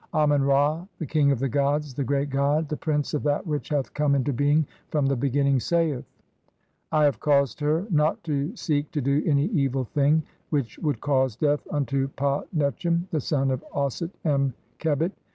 Amen Ra, the king of the gods, the great god, the prince of that which hath come into being from the beginning, saith :— "I have caused her not to seek to do any evil "thing which would cause death unto Pa netchem, "the son of Auset em khebit.